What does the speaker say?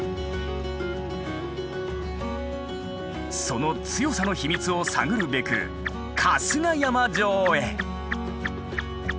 その強さの秘密を探るべく春日山城へ！